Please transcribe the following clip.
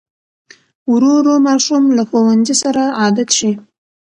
ورو ورو ماشوم له ښوونځي سره عادت شي.